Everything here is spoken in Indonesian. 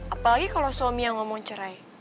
apalagi kalau suami yang ngomong cerai